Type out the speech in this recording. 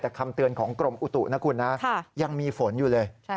แต่คำเตือนของกรมอุตุนะคุณนะยังมีฝนอยู่เลย